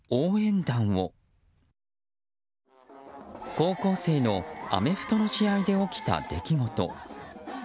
高校生のアメフトの試合で起きた出来事。